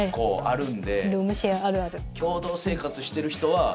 ルームシェアあるある。